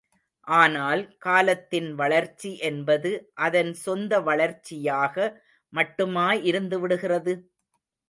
ஆனால், காலத்தின் வளர்ச்சி என்பது அதன் சொந்த வளர்ச்சியாக மட்டுமா இருந்துவிடுகிறது?